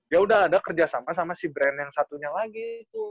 ya udah ada kerjasama sama si brand yang satunya lagi